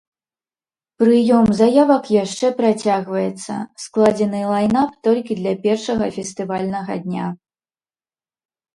Прыём заявак яшчэ працягваецца, складзены лайн-ап толькі для першага фестывальнага дня.